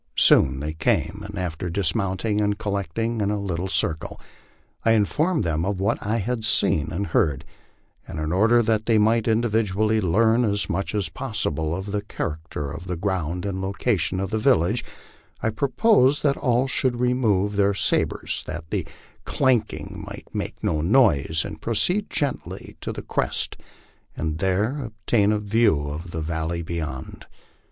Soon they came, and after dismounting and collecting in a little circle, I informed them of what I had seen and heard ; and in order that they might individually learn as much as possible of the character of the ground and the location of the village, I proposed that all should remove their sabres, that their clanking might make no noise, and proceed gently to the crest and there obtain a view of the valley beyond.